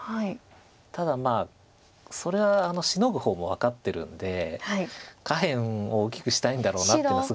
ただまあそれはシノぐ方も分かってるんで下辺を大きくしたいんだろうなっていうのは。